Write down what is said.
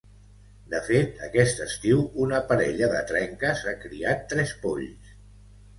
De fet, aquest estiu una parella de trenques ha criat tres polls.